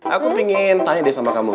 aku pingin tanya deh sama kamu